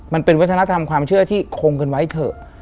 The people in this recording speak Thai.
มันเป็นวัฒนธรรมความเชื่อที่คงกันไว้เถอะ